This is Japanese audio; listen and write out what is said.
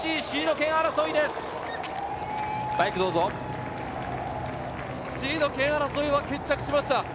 シード権争いは決着しました。